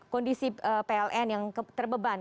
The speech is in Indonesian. kondisi pln yang terbeban